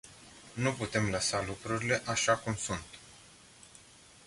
Nu putem să lăsăm lucrurile așa cum sunt.